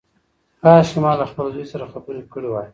کاشکي ما له خپل زوی سره خبرې کړې وای.